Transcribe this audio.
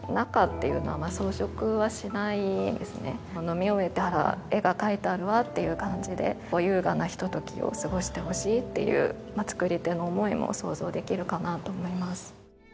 飲み終えたら絵が描いているわっていう感じで優雅なひとときを過ごしてほしいっていう作り手の思いも想像できるかなと思います。